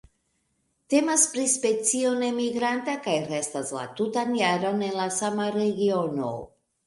Temas pri specio nemigranta kaj restas la tutan jaron en la sama regiono.